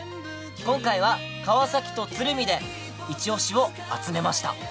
今回は川崎と鶴見でいちオシを集めました。